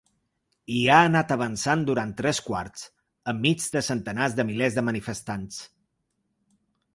I ha anat avançant durant tres quarts, enmig de centenars de milers de manifestants.